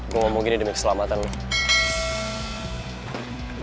gua ngomong gini demi keselamatan lu